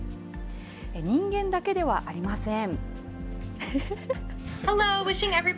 人間だけではありません。